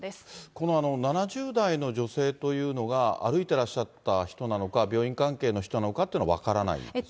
この７０代の女性というのが、歩いてらっしゃた人なのか、病院関係の人なのかっていうのは分からないんですね。